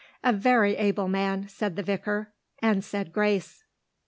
"A very able man," said the vicar, and said grace.